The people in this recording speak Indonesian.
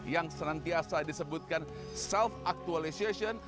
yang senantiasa disebutkan self actualization